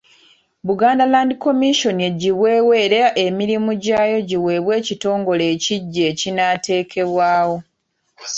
Uganda Land Commission eggyibwewo era emirimu gyayo giweebwe ekitongole ekiggya ekinaateekebwawo.